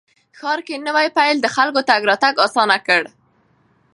ښار کې نوی پل د خلکو تګ راتګ اسانه کړ